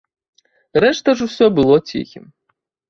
Рэшта ж усё было ціхім.